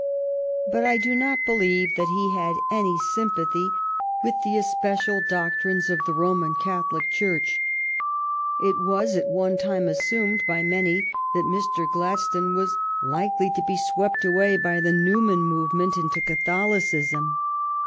But I do not believe that he had any sympathy with the especial doctrines of the Roman Catholic Church. It was at one time assumed by many that Mr. Gladstone was likely to be swept away by the Newman movement into Catholicism.